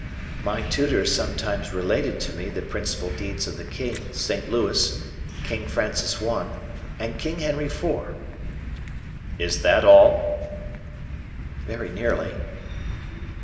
"My tutor sometimes related to me the principal deeds of the king, St. Louis, King Francis I., and King Henry IV." "Is that all?" "Very nearly."